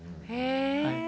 へえ。